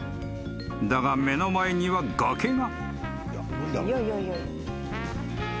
［だが目の前には崖が］